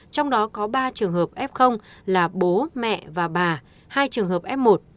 trong đó có ba trường hợp f là bố mẹ và bà hai trường hợp f một